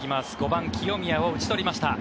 ５番、清宮を打ち取りました。